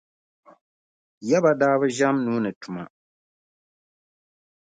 Yaba daa bi ʒɛm nuu ni tuma.